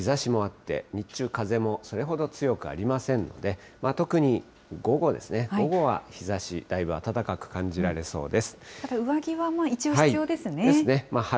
日ざしもあって、日中、風もそれほど強くありませんので、特に午後ですね、午後は日ざし、だいぶ上着は一応必要ですね。ですね。